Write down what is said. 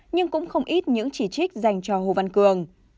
nhưng cũng không ít những chỉ trích dành cho hồ văn cường